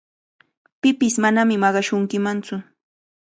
Pipish manami maqashunkimantsu.